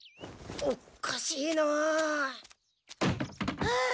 おかしいな？はあ